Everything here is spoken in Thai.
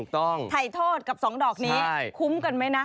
ถ่ายโทษกับสองดอกนี้คุ้มกันไหมนะ